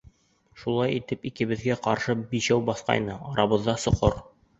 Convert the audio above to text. Шулай итеп, икебеҙгә ҡаршы бишәү баҫҡайны, арабыҙҙа соҡор.